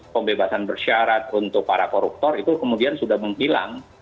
pembebasan bersyarat untuk para koruptor itu kemudian sudah menghilang